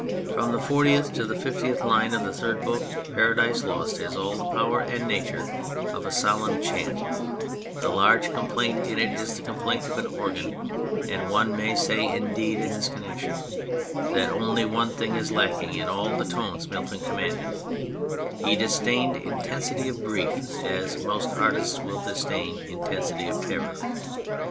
From the fortieth to the fifty fifth line of the third book Paradise Lost lias all the power and nature of a solemn chant; the large complaint in it is the complaint of an organ, and one may say indeed in this connection that only one thing is lacking in all the tones Milton commanded; he disdained intensity of grief as most artists will disdain intensity of terror.